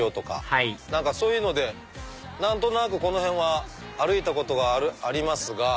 はいそういうので何となくこの辺は歩いたことがありますが。